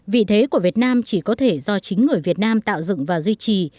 vị thế của việt nam chỉ có thể do chính người việt nam tạo dựng và duy trì